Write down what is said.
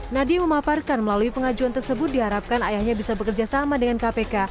nadia memaparkan melalui pengajuan tersebut diharapkan ayahnya bisa bekerja sama dengan kpk